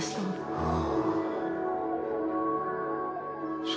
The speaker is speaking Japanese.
ああ。